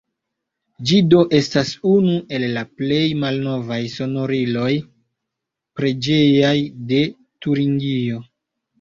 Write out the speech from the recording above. Ĝi do estas unu el la plej malnovaj sonoriloj preĝejaj de Turingio.